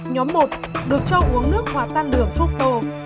nhóm một được cho uống nước hòa tan đường fructose